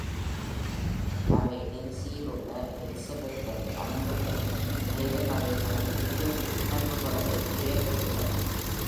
அவை டெனிசியிலுள்ள எலிஸபெத்டனில் அமைந்துள்ளன, மேலும் அவை தமது பெரிய கூட்டுணர்வு தொடர்புக்குப் பெயர் பெற்றுள்ளன.